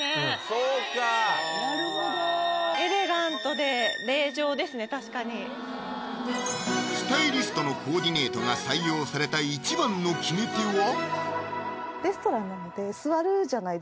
そうかなるほど確かにスタイリストのコーディネートが採用された一番の決め手は？